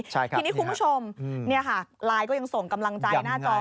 ทีนี้คุณผู้ชมไลน์ก็ยังส่งกำลังใจหน้าจอมาอยู่ตอนนี้